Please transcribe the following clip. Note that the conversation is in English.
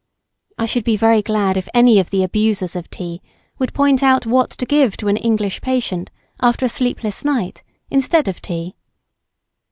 I should be very glad if any of the abusers of tea would point out what to give to an English patient after a sleepless night, instead of tea.